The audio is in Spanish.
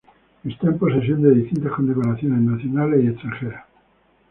Está en posesión de distintas condecoraciones nacionales y extranjeras.